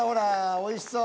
おいしそう。